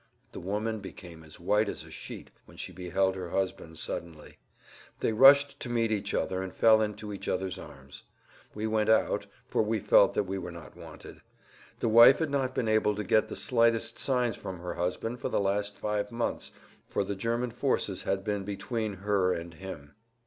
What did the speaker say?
The woman became as white as a sheet when she beheld her husband suddenly. They rushed to meet each other and fell into each other's arms. We went out, for we felt that we were not wanted. The wife had not been able to get the slightest signs from her husband for the last five months, for the German forces had been between her and him.